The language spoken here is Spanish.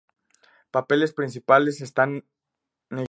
Papeles principales están negrita.